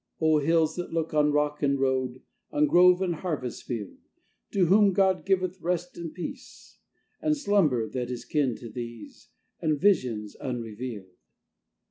O hills, that look on rock and road, On grove and harvest field, To whom God giveth rest and peace, And slumber, that is kin to these, And visions unrevealed!